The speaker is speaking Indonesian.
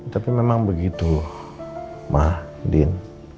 tapi memang begitu mah din